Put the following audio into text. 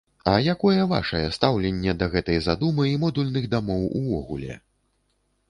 А якое вашае стаўленне да гэтай задумы і модульных дамоў увогуле?